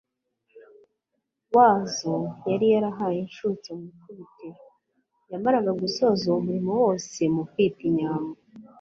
wa zose yari yarahaye inshutso mu ikubitiro Yamaraga gusoza uwo murimo wose wo kwita inyambo